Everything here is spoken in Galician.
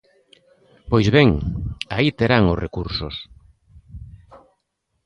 Pois ben, aí terán os recursos.